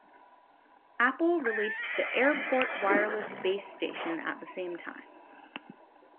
Apple released the AirPort Wireless Base Station at the same time.